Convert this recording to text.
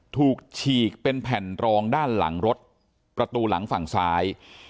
ฉีกเป็นแผ่นรองด้านหลังรถประตูหลังฝั่งซ้าย